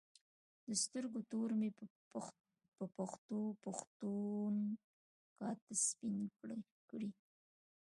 د سترګو تور مې په پښتو پښتون کاته سپین کړي